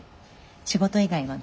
仕事以外はどう？